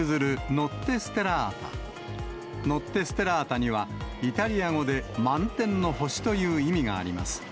ノッテ・ステラータには、イタリア語で満天の星という意味があります。